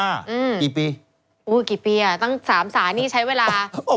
กี่ปีตั้งสามสานนี่ใช้เวลา